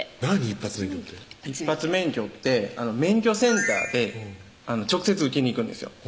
一発免許って一発免許って免許センターで直接受けに行くんですよ